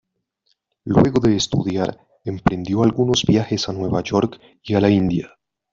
Luego de estudiar, emprendió algunos viajes a Nueva York y a la India.